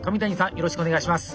よろしくお願いします。